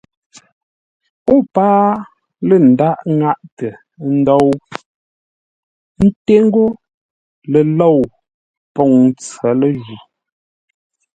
O páa lə́ ńdághʼ ŋáʼtə ńdóu, ńté ńgó ləlôu poŋ ntsə̌ lə́ju.